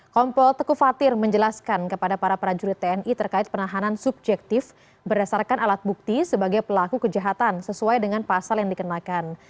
kompol teku fatir menjelaskan kepada para prajurit tni terkait penahanan subjektif berdasarkan alat bukti sebagai pelaku kejahatan sesuai dengan pasal yang dikenakan